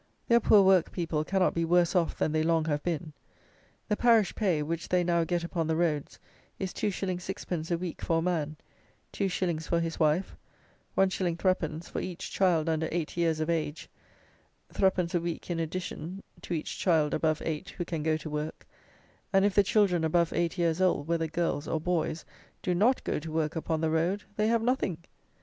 Their poor work people cannot be worse off than they long have been. The parish pay, which they now get upon the roads, is 2_s._ 6_d._ a week for a man, 2_s._ for his wife, 1_s._ 3_d._ for each child under eight years of age, 3_d._ a week, in addition, to each child above eight, who can go to work: and, if the children above eight years old, whether girls or boys, do not go to work upon the road, they have nothing!